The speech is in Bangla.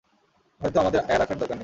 হয়তো আমাদের আয়া রাখার দরকার নেই।